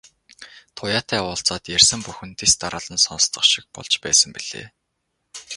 Туяатай уулзаад ярьсан бүхэн дэс дараалан сонстох шиг болж байсан билээ.